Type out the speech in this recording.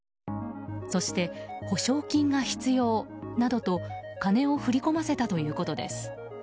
そして、保証金が必要などと金を振り込ませたということです。